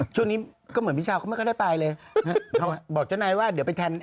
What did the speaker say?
ช่วงนี้แล้วก็เหมือนว่าพี่เช้าไม่ได้ไปเลย